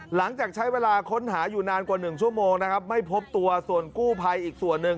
หลังจากใช้เวลาค้นหาอยู่นานกว่าหนึ่งชั่วโมงนะครับไม่พบตัวส่วนกู้ภัยอีกส่วนหนึ่ง